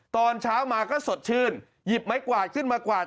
ตอนเช้ามาก็สดชื่นหยิบไม้กวาดขึ้นมากวาด